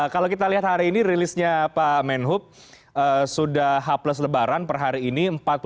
kalau kita lihat hari ini rilisnya pak menhub sudah h plus lebaran per hari ini